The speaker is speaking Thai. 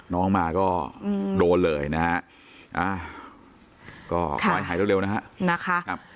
น้องมาก็อืมโดนเลยนะฮะอ่าก็ขอให้หายเร็วเร็วนะฮะนะคะครับ